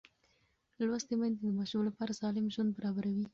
لوستې میندې د ماشوم لپاره سالم ژوند برابروي.